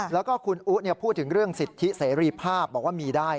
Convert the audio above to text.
แล้วก็คุณอุ๊พูดถึงเรื่องสิทธิเสรีภาพบอกว่ามีได้